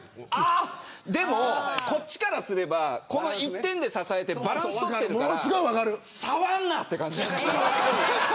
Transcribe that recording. でも、こっちからすればこの一点で支えてバランスを取っているから触んな、という感じなんです。